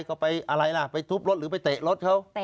ก็ไปอะไรล่ะไปทุบรถหรือไปเตะรถเขา